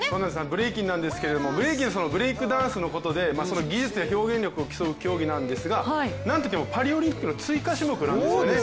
ブレイキンなんですけどブレイクダンスのことでその技術や表現力を競う競技なんですが、なんといってもパリオリンピックの追加種目なんですよね。